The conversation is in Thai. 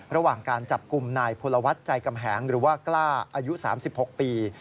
ระหว่างการจับกลุ่มนายพลวัฒน์ใจกำแหงหรือว่ากล้าอายุ๓๖ปี